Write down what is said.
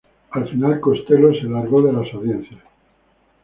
Al final Costello se largó de las audiencias.